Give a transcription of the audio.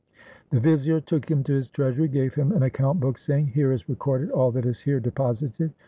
The vizier took him to his treasury, gave him an account book, saying, "Here is recorded all that is here deposited.